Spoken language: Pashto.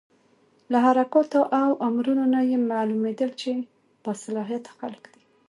له حرکاتو او امرونو نه یې معلومېدل چې با صلاحیته خلک دي.